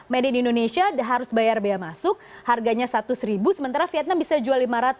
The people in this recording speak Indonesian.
made in indonesia harus bayar biaya masuk harganya satu sementara vietnam bisa jual lima ratus